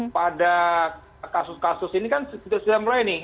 pada kasus kasus ini kan sudah mulai nih